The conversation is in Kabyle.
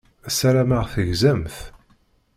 Ssarameɣ tegzamt.